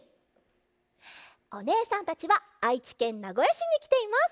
おねえさんたちはあいちけんなごやしにきています！